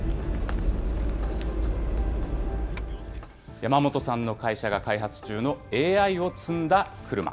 山本さんの会社が開発中のＡＩを積んだ車。